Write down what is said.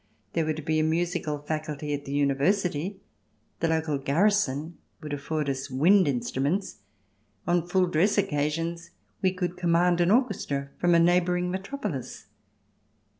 There would be a musical faculty at the University ; the local garrison would afford us wind instruments ; on full dress occasions we could command an orchestra from a neighbouring metropolis.